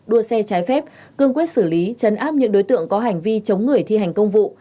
đua xe trái phép cương quyết xử lý chấn áp những đối tượng có hành vi chống người thi hành công vụ